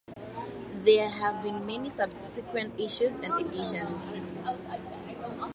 There have been many subsequent issues and editions.